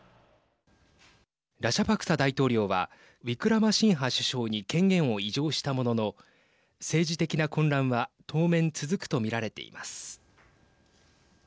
ラジャパクサ大統領はウィクラマシンハ首相に権限を委譲したものの政治的な混乱は当面続くと見られています。